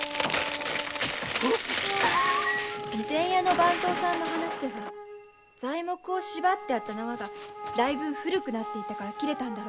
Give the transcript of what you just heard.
備前屋の番頭さんの話だと材木を縛ってあった縄がだいぶ古くなっていたから切れたんだろうって。